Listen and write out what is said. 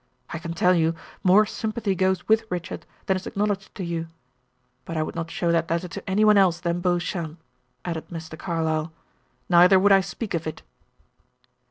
I can tell you more sympathy goes with Richard than is acknowledged to you. But I would not show that letter to anyone else than Beauchamp," added Mr. Carlyle, "neither would I speak of it."